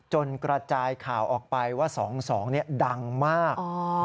กระจายข่าวออกไปว่า๒๒ดังมาก